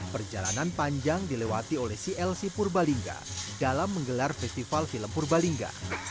perjalanan panjang dilewati oleh clc purbalingga dalam menggelar festival film purbalingga